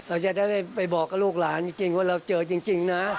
เราจะได้ไปบอกกับลูกหลานจริงว่าเราเจอจริงนะ